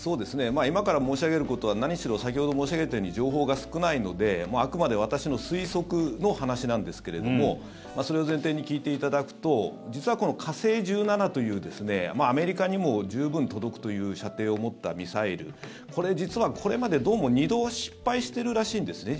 今から申し上げることは何しろ先ほど申し上げたように情報が少ないのであくまで私の推測の話なんですがそれを前提に聞いていただくと実はこの火星１７というアメリカにも十分届くという射程を持ったミサイルこれ実は、これまでどうも２度失敗してるらしいんですね。